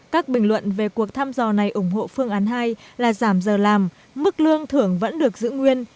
các bình luận về cuộc thăm dò này ủng hộ phương án hai là giảm giờ làm mức lương thưởng vẫn được giữ nguyên